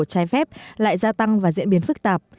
trái phép lại gia tăng và diễn biến phức tạp